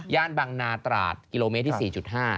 บังนาตราดกิโลเมตรที่๔๕